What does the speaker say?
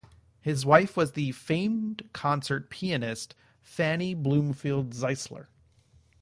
His wife was the famed concert pianist Fannie Bloomfield Zeisler.